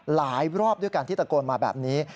หลายรอบด้วยกันที่ตะโกนมาแบบนี้